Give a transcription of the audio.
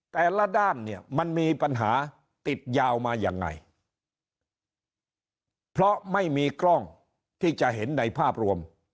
แต่ละด้านเนี่ยมันมีปัญหาติดยาวมายังไงเพราะไม่มีกล้องที่จะเห็นในภาพรวม